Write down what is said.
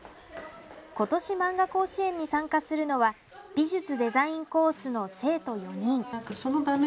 今年、まんが甲子園に参加するのは美術デザインコースの生徒４人。